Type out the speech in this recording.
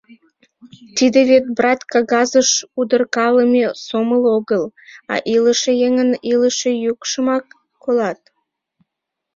Тиде вет, брат, кагазыш удыркалыме сомыл огыл, а илыше еҥын илыше йӱкшымак колат.